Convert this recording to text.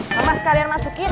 mama sekalian masukin